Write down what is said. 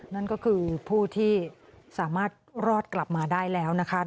นั่นก็คือผู้ที่สามารถรอดกลับมาได้แล้วนะคะ